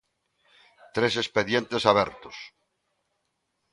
Tres expedientes abertos.